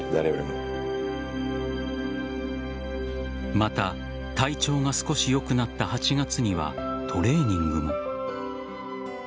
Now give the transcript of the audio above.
また体調が少し良くなった８月にはトレーニングも。